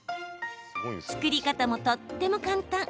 作り方も、とっても簡単。